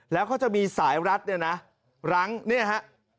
แล้วเขาจะมีสายรัดเนี่ยนะรั้งเนี่ยฮะ